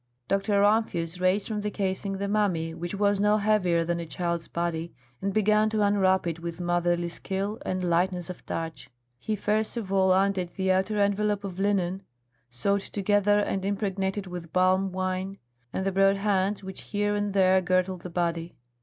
Dr. Rumphius raised from the casing the mummy, which was no heavier than a child's body, and began to unwrap it with motherly skill and lightness of touch. He first of all undid the outer envelope of linen, sewed together and impregnated with palm wine, and the broad bands which here and there girdled the body.